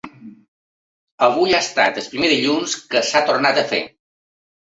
Avui ha estat el primer dilluns que s’ha tornat a fer.